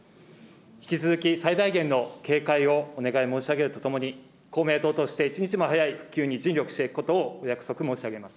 引き続き最大限の警戒をお願い申し上げるとともに、公明党として一日も早い復旧に尽力していくことをお約束申し上げます。